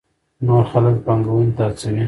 نور خلک پانګونې ته هڅوي.